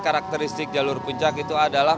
karakteristik jalur puncak itu adalah